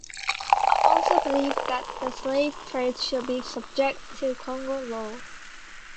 Afonso believed that the slave trade should be subject to Kongo law.